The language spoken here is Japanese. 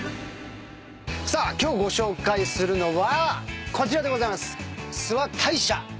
さあ今日ご紹介するのはこちらでございます。